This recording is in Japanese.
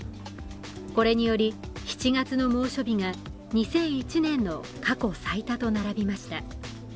これにより７月の猛暑日が２００１年の過去最多と並びました。